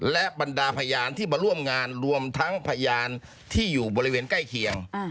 และบรรดาพยานที่มาร่วมงานรวมทั้งพยานที่อยู่บริเวณใกล้เคียง